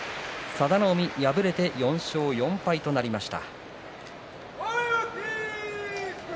佐田の海敗れて４勝４敗となりました。